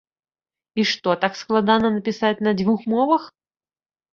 І што, так складана напісаць на дзвюх мовах?